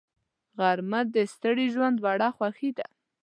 غرمه د ستړي ژوند وړه خوښي ده